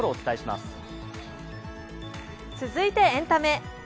続いて、エンタメ。